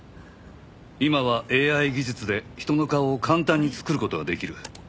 今はＡＩ技術で人の顔を簡単に作る事ができる。